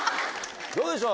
どうでしょう？